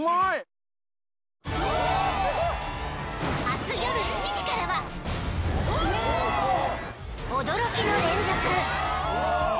明日夜７時からは驚きの連続。